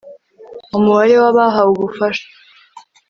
umubare w abahawe ubufasha